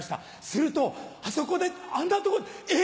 するとあそこであんなとこでえ！